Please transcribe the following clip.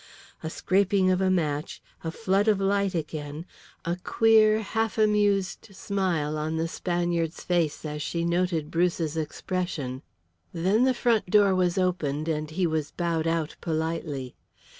A scraping of a match, a flood of light again, a queer half amused smile on the Spaniard's face, as she noted Bruce's expression. Then the front door was opened, and he was bowed out politely.